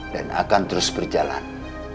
dan akan terus berjalan